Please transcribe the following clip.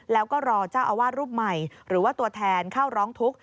แล้วก็รอเจ้าอาวาสรูปใหม่หรือว่าตัวแทนเข้าร้องทุกข์